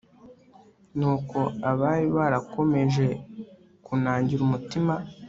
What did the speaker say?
nuko abari barakomeje kunangira umutima